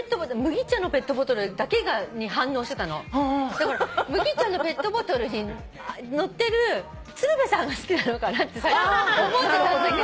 だから麦茶のペットボトルに載ってる鶴瓶さんが好きなのかなって最初思ってたんだけど。